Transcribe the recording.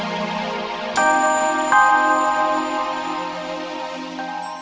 menekan nur helung versi